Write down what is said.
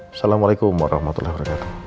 assalamualaikum warahmatullahi wabarakatuh